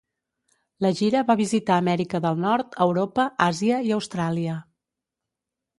La gira va visitar Amèrica del Nord, Europa, Àsia i Austràlia.